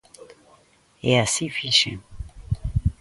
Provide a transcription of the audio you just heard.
E así fixen.